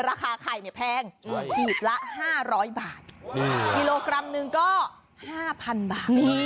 ราคาไข่เนี่ยแพงใช่ขีดละห้าร้อยบาทอืมกิโลกรัมหนึ่งก็ห้าพันบาทนี่